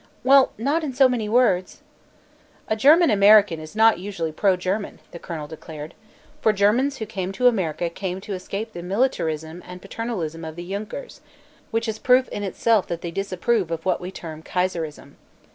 "Well, not in so many words." "A German American is not usually pro German," the colonel declared, "for Germans who come to America come to escape the militarism and paternalism of the Junkers, which is proof in itself that they disapprove of what we term kaiserism.